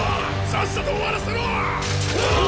さっさと終わらせろっ！